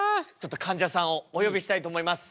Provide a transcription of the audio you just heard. かんじゃさんをお呼びしたいと思います。